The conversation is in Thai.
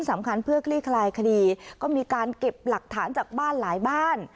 สำคัญเพื่อคลี่คลายคดีก็มีการเก็บหลักฐานจากบ้านหลายบ้าน